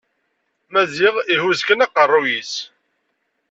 Maziɣ ihuz kan aqerruy-is.